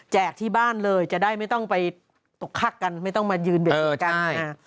ที่บ้านเลยจะได้ไม่ต้องไปตกคักกันไม่ต้องมายืนเบรกกัน